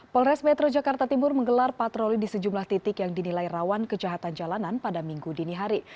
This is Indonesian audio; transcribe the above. polres metro jakarta timur menggelar patroli di sejumlah titik yang dinilai rawan kejahatan jalanan pada minggu dini hari